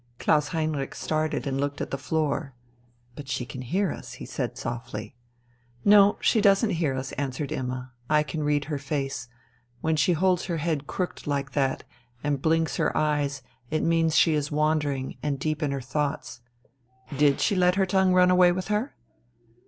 Klaus Heinrich started and looked at the floor. "But she can hear us!" he said softly. "No, she doesn't hear us," answered Imma. "I can read her face. When she holds her head crooked like that and blinks her eyes it means that she is wandering and deep in her thoughts. Did she let her tongue run away with her?"